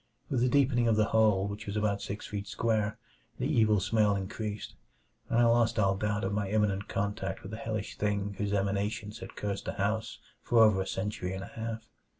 With the deepening of the hole, which was about six feet square, the evil smell increased; and I lost all doubt of my imminent contact with the hellish thing whose emanations had cursed the house for over a century and a half.